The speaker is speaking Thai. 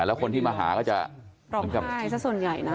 แล้วคนที่มาหาก็จะร้องไห้สักส่วนใหญ่นะ